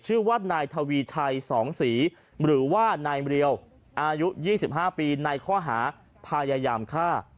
ชื่อว่านายทวีชัย๒ศรีหรือว่านายเรียวอายุ๒๕ปีในข้อหาพยายามฆ่า